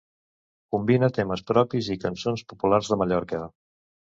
combina temes propis i cançons populars de Mallorca